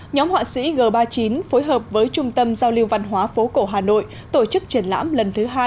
nhóm họa sĩ g ba mươi chín phối hợp với trung tâm giao lưu văn hóa phố cổ hà nội tổ chức triển lãm lần thứ hai